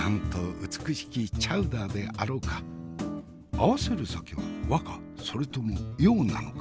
合わせる酒は和かそれとも洋なのか？